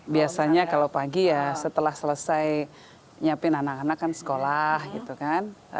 biasanya kalau pagi ya setelah selesai nyiapin anak anak kan sekolah gitu kan